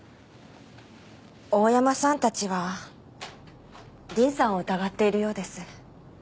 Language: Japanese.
大山さんたちは凛さんを疑っているようです。